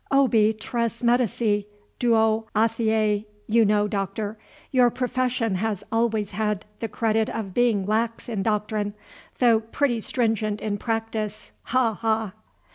"Obi tres medici, duo athei, you know, Doctor. Your profession has always had the credit of being lax in doctrine, though pretty stringent in practice, ha! ha!"